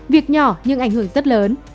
việc nhỏ nhưng ảnh hưởng rất lớn